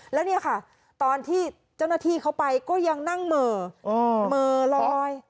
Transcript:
แล้วเนี่ยค่ะตอนที่เจ้าหน้าที่เขาไปก็ยังนั่งเหม่อเหม่อลอย